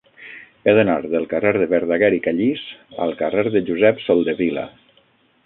He d'anar del carrer de Verdaguer i Callís al carrer de Josep Soldevila.